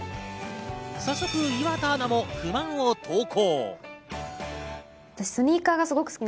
早速、岩田アナも不満を投稿。